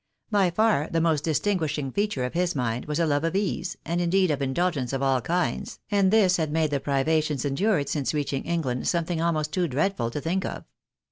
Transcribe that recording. By far the most distinguishing feature of his mind was a love of ease, and, indeed, of indulgence of all kinds, and this had made the privations endured since reaching England something almost too dreadful to think of.